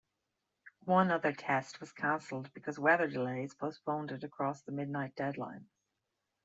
One other test was cancelled because weather delays postponed it across the midnight deadline.